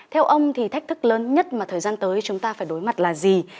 theo ông thì thách thức lớn nhất mà thời gian tới chúng ta phải đối mặt là gì